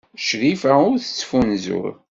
Crifa ur tettfunzur.